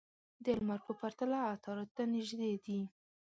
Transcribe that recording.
د لمر په پرتله عطارد ته نژدې دي.